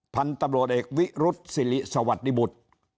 พันธุ์ตำรวจเอกวิรุษศิริสวัสดิบุตร